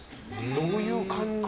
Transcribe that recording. どういう感じ？